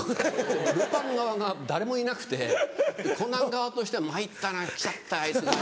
『ルパン』側が誰もいなくて『コナン』側としては「参ったな来ちゃったあいつ」